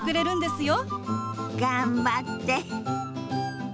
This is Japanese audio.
頑張って。